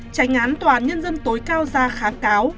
tranh án tòa nhân dân tối cao ra kháng cáo